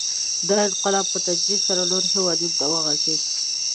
• دا انقلاب په تدریج سره نورو هېوادونو ته وغځېد.